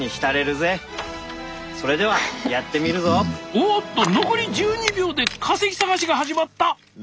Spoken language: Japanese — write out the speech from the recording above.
おっと残り１２秒で化石探しが始まった！